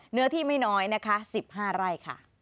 เนื้อที่ไม่น้อย๑๕ไร่